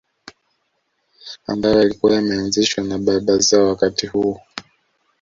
Ambayo yalikuwa yameanzishwa na baba zao wakati huo